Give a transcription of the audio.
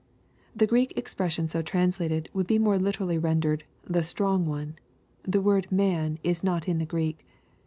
] The Greek expression so translated, would be more literally rendered " the strong one." The word " man* is net in the Greek.